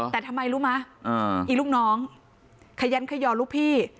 แต่ทำไมรู้ไหมอีลูกน้องขยันขยอลูกพี่